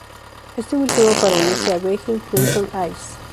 Este último para unirse a "Behind Crimson Eyes".